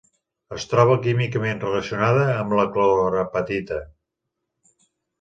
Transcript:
Es troba químicament relacionada amb la clorapatita.